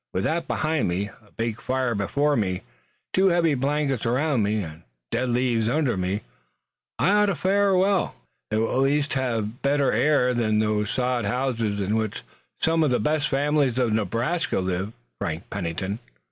With that behind me, a big fire before me, two heavy blankets around me, and dead leaves under me, I ought to fare well. It will at least have better air than those sod houses in which some of the best families of Nebraska live, Frank Pennington."